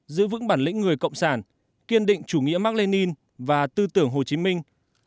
giữ vững bản lĩnh người cộng sản kiên định chủ nghĩa mạc lê ninh và tư tưởng hồ chí minh